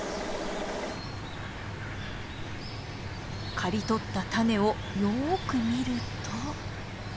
刈り取ったタネをよく見ると。